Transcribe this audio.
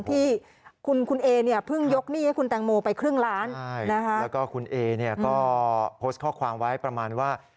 ที่คุณเอเนี่ยเพิ่งยกหนี้ให้คุณแตงโมไปครึ่งล้านแล้วก็คุณเอเนี่ยก็โพสต์ข้อความไว้ประมาณว่า